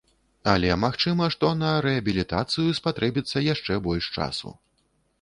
Але магчыма, што на рэабілітацыю спатрэбіцца яшчэ больш часу.